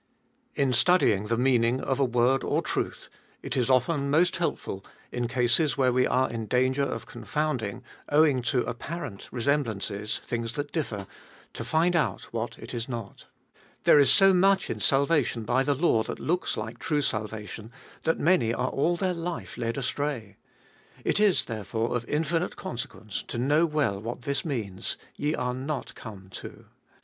1. In studying the meaning of a word or truth, It Is often most helpful in cases where we are In danger of confounding, owing to apparent resemblances, things that differ, to find out what It is not. There Is so much in salvation by the law that loohs like true salvation, that many are all their life led astray. It is, therefore, of infinite consequence to know well what this means : Ye are not come to.